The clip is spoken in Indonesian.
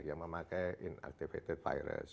yang memakai inactivated virus